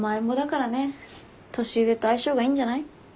年上と相性がいいんじゃない？